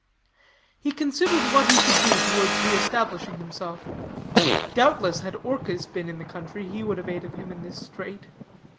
"He considered what he should do towards reëstablishing himself. Doubtless, had Orchis been in the country, he would have aided him in this strait.